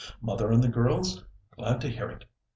Mother and the girls? Glad to hear it.